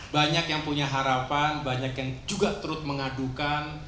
banyak yang punya harapan banyak yang juga terus mengadukan